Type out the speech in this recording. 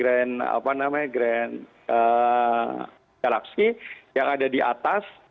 apa namanya grand galaxi yang ada di atas